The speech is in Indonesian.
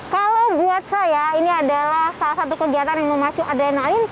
kalau buat saya ini adalah salah satu kegiatan yang memacu adrenalin